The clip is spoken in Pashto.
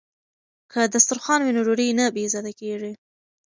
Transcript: که دسترخوان وي نو ډوډۍ نه بې عزته کیږي.